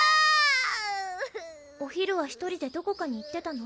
あうぅお昼は１人でどこかに行ってたの？